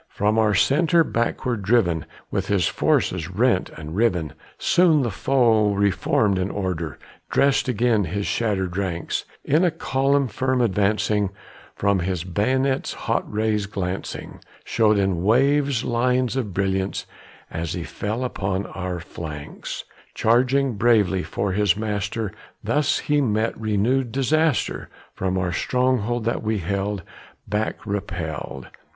From our centre backward driven, with his forces rent and riven, Soon the foe re formed in order, dressed again his shattered ranks; In a column firm advancing, from his bayonets hot rays glancing Showed in waving lines of brilliance as he fell upon our flanks, Charging bravely for his master: thus he met renewed disaster From the stronghold that we held back repelled.